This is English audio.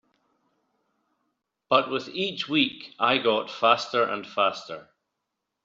But with each week I got faster and faster.